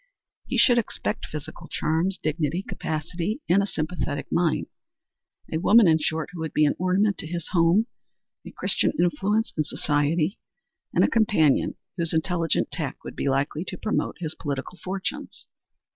He should expect physical charms, dignity, capacity and a sympathetic mind; a woman, in short, who would be an ornament to his home, a Christian influence in society and a companion whose intelligent tact would be likely to promote his political fortunes.